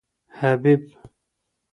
حبیب